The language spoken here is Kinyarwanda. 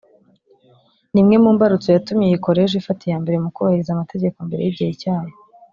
ni imwe mu mbarutso yatumye iyi Koleji ifata iya mbere mu kubahiriza amategeko mbere y’igihe cyayo